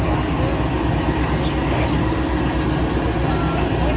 หรือว่าเกิดอะไรขึ้น